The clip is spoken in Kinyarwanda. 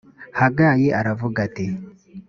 hagayi aravuga ati